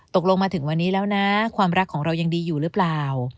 ตกลงมาถึงวันนี้แล้วนะความรักของเรายังดีอยู่หรือเปล่า